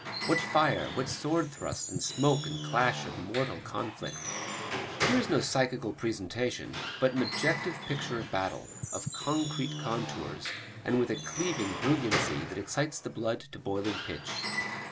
What fire, what sword thrusts and smoke and clash of mortal conflict! Here is no psychical presentation, but an objective picture of battle, of concrete contours, and with a cleaving brilliancy that excites the blood to boiling pitch.